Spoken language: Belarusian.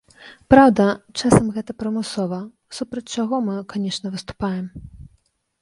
Праўда, часам гэта прымусова, супраць чаго мы, канечне, выступаем.